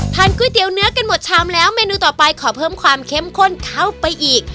ก๋วยเตี๋ยวเนื้อกันหมดชามแล้วเมนูต่อไปขอเพิ่มความเข้มข้นเข้าไปอีก